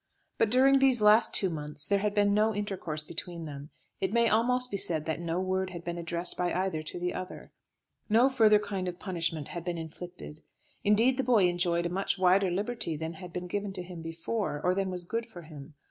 But during these last two months there had been no intercourse between them. It may almost be said that no word had been addressed by either to the other. No further kind of punishment had been inflicted. Indeed, the boy enjoyed a much wider liberty than had been given to him before, or than was good for him.